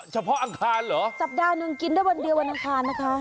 อังคารเหรอสัปดาห์หนึ่งกินได้วันเดียววันอังคารนะคะ